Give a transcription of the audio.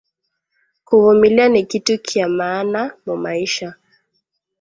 Ku vumilia ni kitu kya maana sana mumaisha